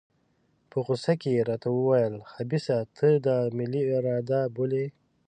په غوسه کې یې راته وویل خبیثه ته دا ملي اراده بولې.